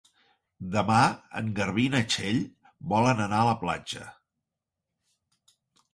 Demà en Garbí i na Txell volen anar a la platja.